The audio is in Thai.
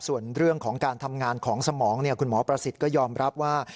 ส่วนเรื่องของการทำงานของสมองคุณหมอประสิทธิ์ก็ยอมรับว่า